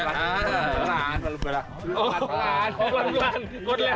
pelan pelan pelan